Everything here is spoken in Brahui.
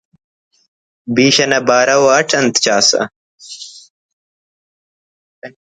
بیش انا بارو اٹ انت چاسہ